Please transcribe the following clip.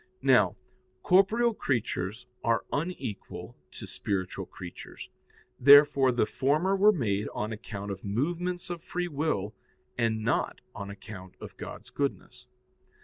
Now, corporeal creatures are unequal to spiritual creatures. Therefore the former were made on account of movements of free will, and not on account of God's goodness.